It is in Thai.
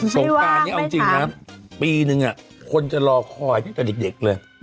งการนี้เอาจริงนะปีนึงคนจะรอคอยตั้งแต่เด็กเลย